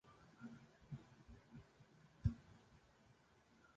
சுத்த மடையர்கள், பிரன்ஸ்களாம் பிரன்ஸ்.